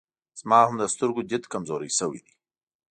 زما هم د سترګو ديد کمزوری سوی دی